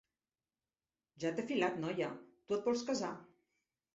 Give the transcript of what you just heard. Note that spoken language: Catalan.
Ja t'he filat, noia: tu et vols casar.